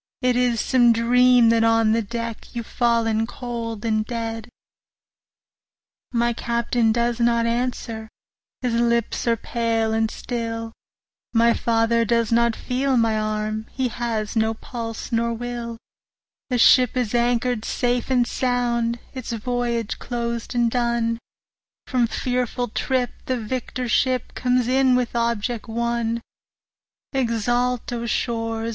It is some dream that on the deck 15 You've fallen cold and dead. My Captain does not answer, his lips are pale and still, My father does not feel my arm, he has no pulse nor will; The ship is anchor'd safe and sound, its voyage closed and done, From fearful trip the victor ship comes in with object won; 20 Exult, O shores!